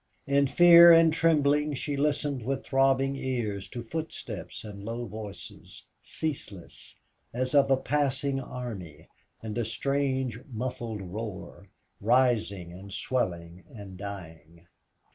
In fear and trembling she listened with throbbing ears to footsteps and low voices, ceaseless, as of a passing army, and a strange, muffled roar, rising and swelling and dying.